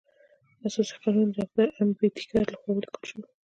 اساسي قانون د ډاکټر امبیډکر لخوا ولیکل شو.